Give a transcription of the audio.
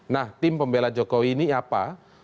nah tim pembela jokowi ini apa